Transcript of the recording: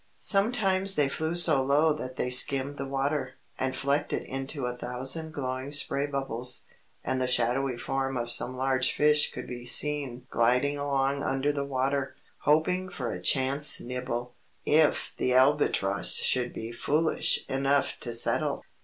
Sometimes they flew so low that they skimmed the water, and flecked it into a thousand glowing spray bubbles, and the shadowy form of some large fish could be seen gliding along under the water, hoping for a chance nibble, if the Albatross should be foolish enough to settle.